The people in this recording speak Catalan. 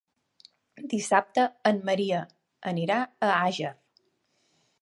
Dissabte en Maria anirà a Àger.